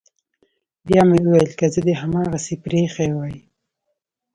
بيا مې وويل که زه دې هماغسې پريښى واى.